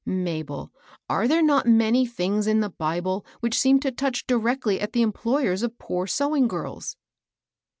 " Mabel, are there not many things in the Bible which seem to touch directly at the employers of poor sewing girls